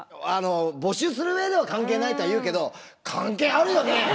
募集する上では関係ないとは言うけど関係あるよね！